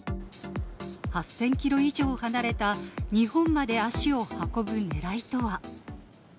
８０００キロ以上離れた日本まで足を運ぶねらいとは。